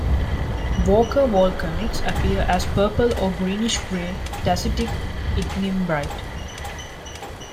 Walker Volcanics appear as purple or greenish-grey dacitic ignimbrite.